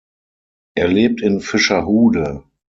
Er lebt in Fischerhude.